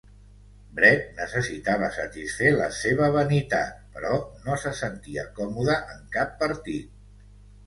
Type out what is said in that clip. Brett necessitava satisfer la seva vanitat, però no se sentia còmode en cap partit.